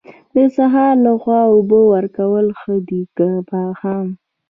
د سهار لخوا اوبه ورکول ښه دي که ماښام؟